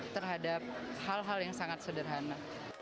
terhadap hal hal yang sangat sederhana